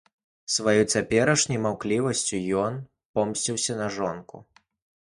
Сваёй цяперашняй маўклівасцю ён помсціўся на жонку.